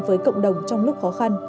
với cộng đồng trong lúc khó khăn